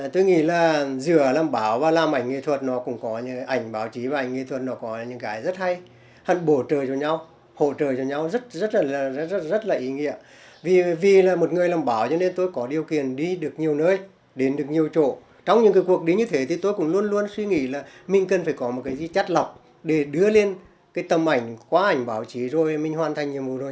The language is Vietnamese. tôi nghĩ là mình cần phải có một cái gì chắc lọc để đưa lên cái tầm ảnh qua ảnh báo chí rồi mình hoàn thành nhiệm vụ rồi